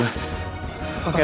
ma bukain ma